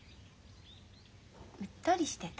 うっとりしてた。